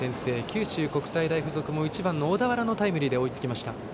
九州国際大付属も１番の小田原のタイムリーで追いつきました。